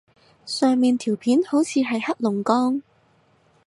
上面條片好似係黑龍江